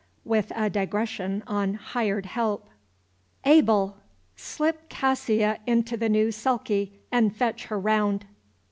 (With a Digression on "Hired Help.") "ABEL! Slip Cassia into the new sulky, and fetch her round."